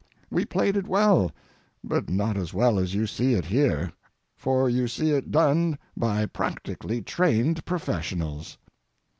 We played it well, but not as well as you see it here, for you see it done by practically trained professionals.